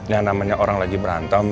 yang namanya orang lagi berantem